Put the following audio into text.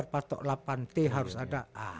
patok delapan t harus ada a